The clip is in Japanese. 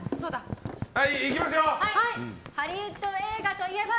ハリウッド映画といえば。